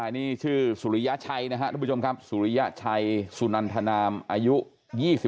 อันนี้ชื่อสุริยชัยทุกผู้ชมครับสุริยชัยซุนันทนามอายุ๒๑ปี